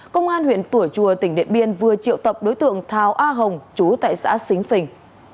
công an huyện tủa chùa tỉnh điện biên vừa triệu tập đối tượng thao a hồng chú tại xã xính phình